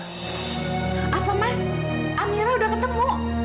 apa mas amira udah ketemu